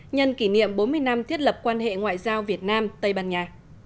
nhân kỷ niệm bốn mươi năm thiết lập quan hệ ngoại giao việt nam tây ban nha